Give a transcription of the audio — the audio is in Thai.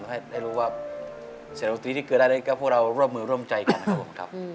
แล้วให้รู้ว่าเสนอตรีที่เกิดได้ได้ก็พวกเราร่วมมือร่วมใจกันครับผมครับ